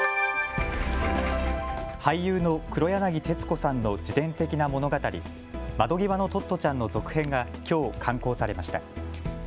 俳優の黒柳徹子さんの自伝的な物語、窓ぎわのトットちゃんの続編がきょう刊行されました。